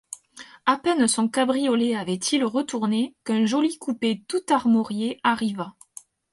À peine son cabriolet avait-il retourné, qu’un joli coupé tout armorié arriva.